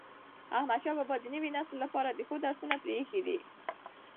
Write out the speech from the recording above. احمدشاه بابا د نوي نسل لپاره د ښو درسونه پريښي دي.